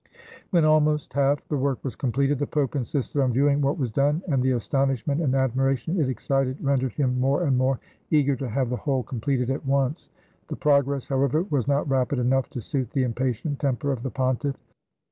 When almost half the work was completed, the Pope insisted on viewing what was done, and the astonishment and admiration it ex cited rendered him more and more eager to have the whole completed at once. The progress, however, was not rapid enough to suit the impatient temper of the pontiff.